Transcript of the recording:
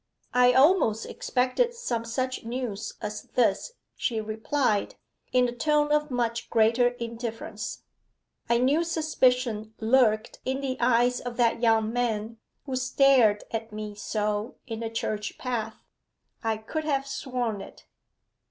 'I almost expected some such news as this,' she replied, in a tone of much greater indifference. 'I knew suspicion lurked in the eyes of that young man who stared at me so in the church path: I could have sworn it.